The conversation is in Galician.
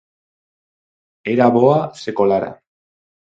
Era boa se colara.